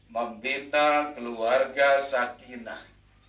membina keluarga sakinah